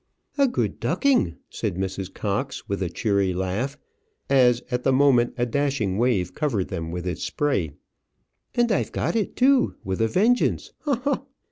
"A good ducking," said Mrs. Cox, with a cheery laugh, as at the moment a dashing wave covered them with its spray. "And I've got it too, with a vengeance.